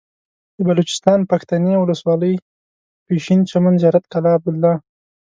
د بلوچستان پښتنې ولسوالۍ پشين چمن زيارت قلعه عبدالله